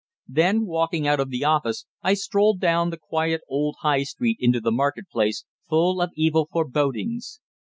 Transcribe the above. Then, walking out of the office, I strolled down the quiet old High Street into the market place, full of evil forebodings.